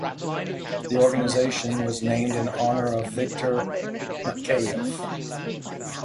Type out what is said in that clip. The organization was named in honor of Victor Makeyev.